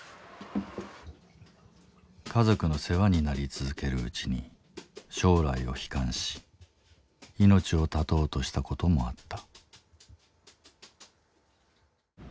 家族の世話になり続けるうちに将来を悲観し命を絶とうとしたこともあった。